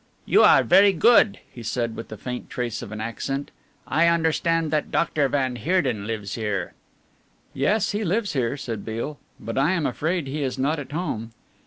"You are very good," he said with the faint trace of an accent. "I understand that Doctor van Heerden lives here?" "Yes, he lives here," said Beale, "but I am afraid he is not at home."